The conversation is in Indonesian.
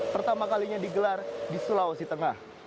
pertama kalinya digelar di sulawesi tengah